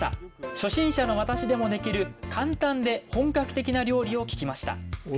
初心者の私でもできる簡単で本格的な料理を聞きましたおお！